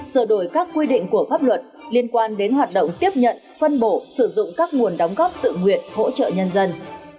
sửa đổi các quy định của pháp luật liên quan đến hoạt động tiếp nhận phân bổ sử dụng các nguồn đóng góp tự nguyện hỗ trợ nhân dân